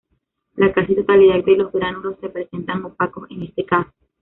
La casi totalidad de los gránulos se presentan opacos, en este caso.